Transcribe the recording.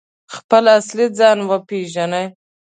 خپل اصلي ځان وپیژني؟